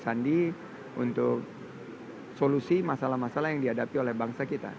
dan pandangan prabowo sandi untuk solusi masalah masalah yang dihadapi oleh bangsa kita